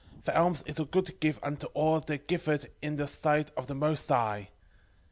4:11 For alms is a good gift unto all that give it in the sight of the most High.